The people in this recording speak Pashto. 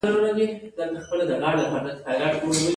د شمسي لږ تر لږه دوره یوولس کاله ده.